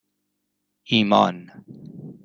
ایمان